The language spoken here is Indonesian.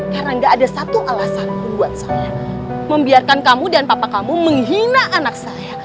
karena nggak ada satu alasan membuat saya membiarkan kamu dan papa kamu menghina anak saya